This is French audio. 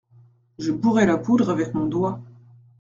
Je bourrai la poudre avec mon doigt.